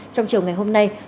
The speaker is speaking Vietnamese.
trong chiều ngày hôm nay